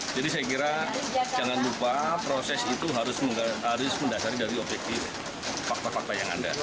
jadi saya kira jangan lupa proses itu harus mendasari dari objektif fakta fakta yang ada